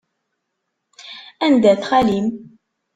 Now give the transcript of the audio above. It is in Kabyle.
Anda-t xali-m?